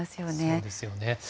そうですよね。